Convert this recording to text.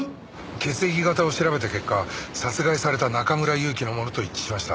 血液型を調べた結果殺害された中村祐樹のものと一致しました。